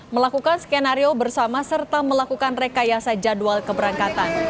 melakukan skenario bersama serta melakukan rekayasa jadwal keberangkatan